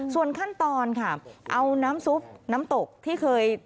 ส่วนขั้นตอนค่ะเอาน้ำซุปน้ำตกที่เคย